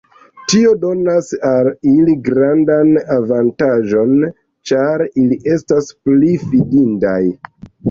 Tio donas al ili grandan avantaĝon ĉar ili estas pli fidindaj.